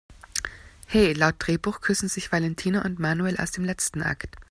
He, laut Drehbuch küssen sich Valentina und Manuel erst im letzten Akt!